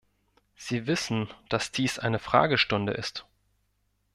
Sie wissen, dass dies eine Fragestunde ist.